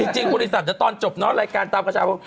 จริงบริษัทจะตอนจบรายการตามกระชาปรุง